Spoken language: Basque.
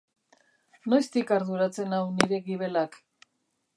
Noiztik arduratzen hau nire gibelak?